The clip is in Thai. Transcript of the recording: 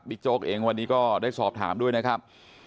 โจ๊กเองวันนี้ก็ได้สอบถามด้วยนะครับ